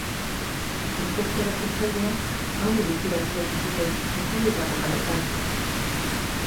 Ustezko erasotzailea handik gutxira atxilotu zuten inguruetako kaleetan.